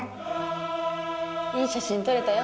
いい写真撮れたよ。